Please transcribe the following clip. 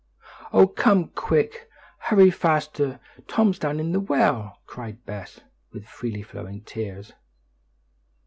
"Oh, come quick! Hurry faster! Tom's down in the well!" cried Bess, with freely flowing tears.